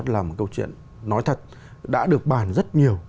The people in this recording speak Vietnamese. là một câu chuyện nói thật đã được bàn rất nhiều